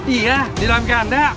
iya di dalam keranda